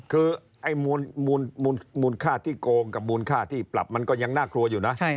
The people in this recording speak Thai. คือมูลค่าที่โกงกับมูลค่าที่ปรับมันก็ยังน่ากลัวอยู่นะ